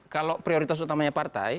kalau prioritas utamanya partai